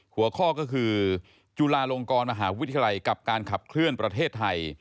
หัวข้อก็คือจุฬาลงกรมหาวิทยาลัยกับการขับเคลื่อนประเทศไทย